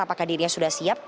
apakah dirinya sudah siap